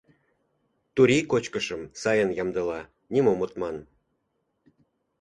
«Турий кочкышым сайын ямдыла, нимом от ман.